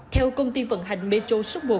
theo công ty vận hành metro số một